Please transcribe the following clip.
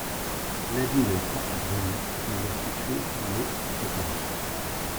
L'avenue de la Porte-Brunet est une voie située dans le de Paris.